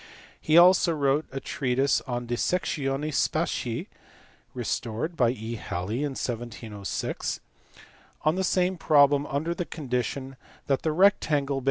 He also wrote a treatise De Sectione Spatii (restored by E. Halley in 1706) on the same problem under the condition that the rectangle Aa